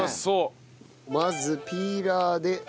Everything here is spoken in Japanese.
まずピーラーで。